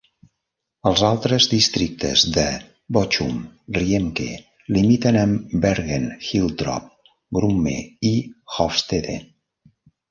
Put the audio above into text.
Els altres districtes de Bochum, Riemke limiten amb Bergen-Hiltrop, Grumme i Hofstede.